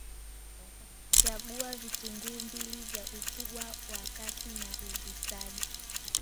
Chagua vitunguu mbili vya ukubwa wa kati na uvisage